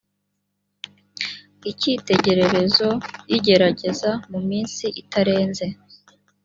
icyitegererezo y igerageza mu minsi itarenze